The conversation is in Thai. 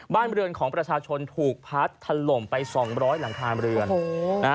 บ้านบริเวณของประชาชนถูกพัดทะลมไป๒๐๐หลังคาบริเวณ